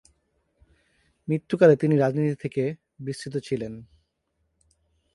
মৃত্যুকালে তিনি রাজনীতি থেকে বিস্মৃত ছিলেন।